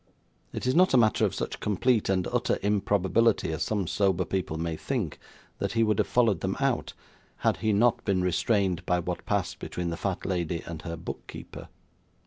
It is not a matter of such complete and utter improbability as some sober people may think, that he would have followed them out, had he not been restrained by what passed between the fat lady and her book keeper.